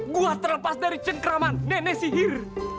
gua terlepas dari cengkraman nenek sihir